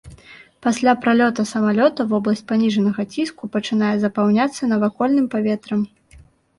Пасля пралёта самалёта вобласць паніжанага ціску пачынае запаўняцца навакольным паветрам.